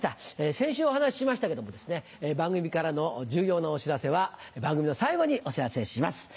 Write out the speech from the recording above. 先週、お話ししましたけれどもね、番組からの重要なお知らせは、番組の最後にお知らせします。